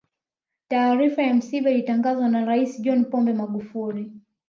taarifa ya msiba ilitangazwa na rais john pombe magufuli